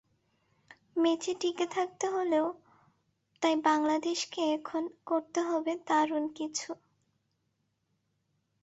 ম্যাচে টিকে থাকতে হলেও তাই বাংলাদেশকে এখন করতে হবে দারুণ কিছু।